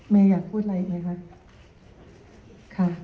เมอยากพูดอะไรอีกไหมคะ